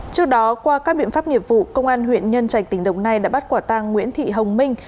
trước đó qua các biện pháp nghiệp vụ công an huyện nhân trạch tỉnh đồng nai đã bắt quả tang nguyễn thị hồng minh